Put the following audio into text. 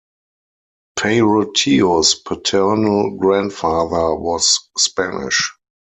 Peyroteo's paternal grandfather was Spanish.